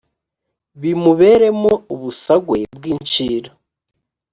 bimuberemo ubusagwe bw incira